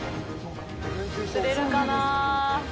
釣れるかな？